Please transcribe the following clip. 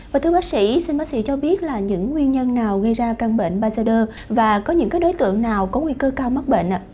và thưa bác sĩ xin bác sĩ cho biết là những nguyên nhân nào gây ra căn bệnh bajedo và có những đối tượng nào có nguy cơ cao mắc bệnh